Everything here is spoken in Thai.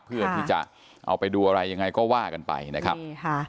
เพื่อที่จะเอาไปดูอะไรยังไงก็ว่ากันไปนะครับใช่ค่ะ